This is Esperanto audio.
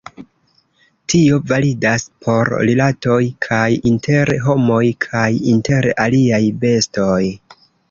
Tio validas por rilatoj kaj inter homoj kaj inter aliaj bestoj.